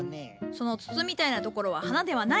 その筒みたいなところは花ではない。